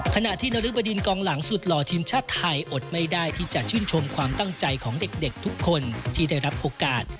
ขณะที่นรึบดินกองหลังสุดหล่อทีมชาติไทยอดไม่ได้ที่จะชื่นชมความตั้งใจของเด็กทุกคนที่ได้รับโอกาส